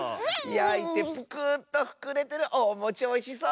やいてプクーッとふくれてるおもちおいしそう！